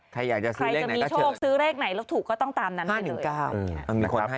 ใครจะมีโชคซื้อเลขไหนถูกก็ต้องตามนั้นไปเลย